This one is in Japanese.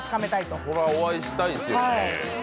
それはお会いしたいですよね。